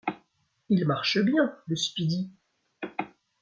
Il marche bien, le Speedy !